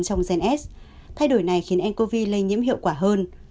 thay đổi này khiến ncov lây nhiễm hiệu quả hơn